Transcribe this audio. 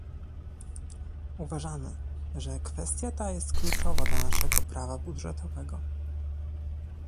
Uważamy, że kwestia ta jest kluczowa dla naszego prawa budżetowego